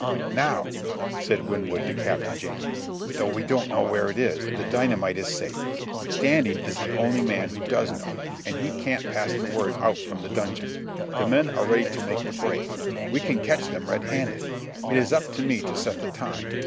"Now," said Winwood to Captain Jamie, "though we don't know where it is, the dynamite is safe. Standing is the only man who does know, and he can't pass the word out from the dungeon. The men are ready to make the break. We can catch them red handed. It is up to me to set the time.